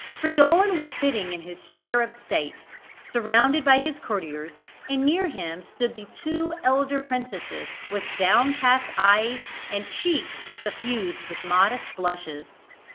Fridolin was sitting in his chair of state, surrounded by his courtiers; and near him stood the two elder princesses, with downcast eyes and cheeks suffused with modest blushes.